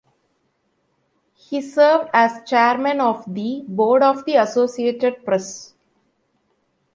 He served as chairman of the board of the Associated Press.